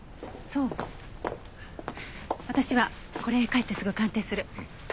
私はこれ帰ってすぐ鑑定する。